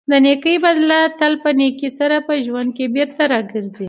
د نېکۍ بدله تل په نېکۍ سره په ژوند کې بېرته راګرځي.